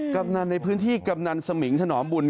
กำนันในพื้นที่กำนันสมิงถนอมบุญ